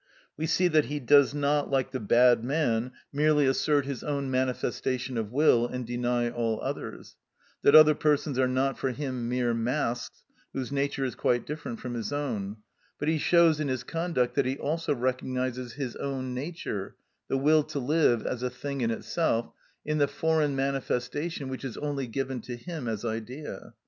We see that he does not, like the bad man, merely assert his own manifestation of will and deny all others; that other persons are not for him mere masks, whose nature is quite different from his own; but he shows in his conduct that he also recognises his own nature—the will to live as a thing in itself, in the foreign manifestation which is only given to him as idea.